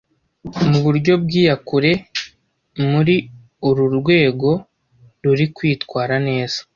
mu buryo bw iyakure Muri uru rwego ruri kwitwara neza